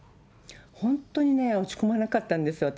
本当にね、落ち込まなかったんです、私。